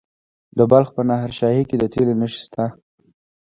د بلخ په نهر شاهي کې د تیلو نښې شته.